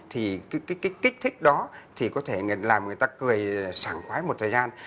thì cái kích thích đó thì có thể làm người ta cười sảng khoái một thời gian